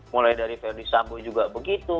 mulai dari feudis sambu juga begitu